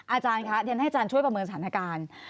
อาจารย์คะเรียนให้อาจารย์ช่วยประเมินสถานการณ์